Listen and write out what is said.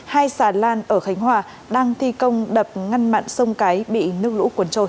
hai xà lan ở khánh hòa đang thi công đập ngăn mặn sông cái bị nước lũ cuốn trôi